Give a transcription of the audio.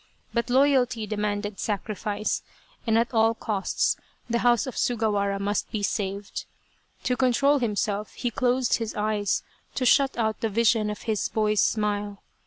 But loyalty de manded the sacrifice, and at all costs the house of Sugawara must be saved. To control himself he closed his eyes, to shut out the vision of his boy's smile.